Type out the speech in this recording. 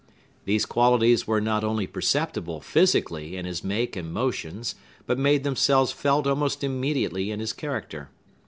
These qualities were not only perceptible, physically, in his make and motions, but made themselves felt almost immediately in his character.